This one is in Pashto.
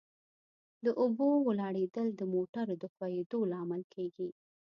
د اوبو ولاړېدل د موټرو د ښوئیدو لامل کیږي